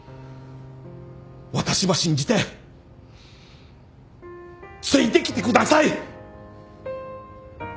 私ば信じてついてきてください！